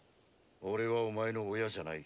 俺はお前の親じゃない。